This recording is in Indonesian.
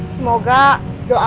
semoga berjaya ya pak